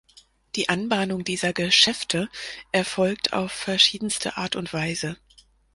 Die Anbahnung dieser „Geschäfte“ erfolgt auf verschiedenste Art und Weise.